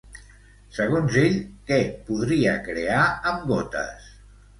Segons ell, què podria crear amb gotes?